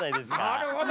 なるほど！